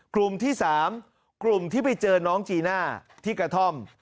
กลุ่มที่๓กลุ่มที่ไปเจอน้องจีน่าที่กระท่อม